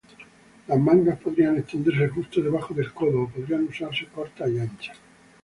Las mangas podrían extenderse justo debajo del codo o podrían usarse cortas y anchas.